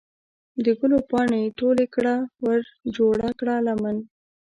د ګلو پاڼې ټولې کړه ورجوړه کړه لمن